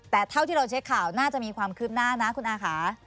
แต่เท่าที่เราเช็คข่าวน่าจะมีความคืบหน้านะคุณอาค่ะ